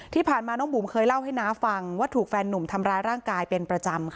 ที่ผ่านมาน้องบุ๋มเคยเล่าให้น้าฟังว่าถูกแฟนหนุ่มทำร้ายร่างกายเป็นประจำค่ะ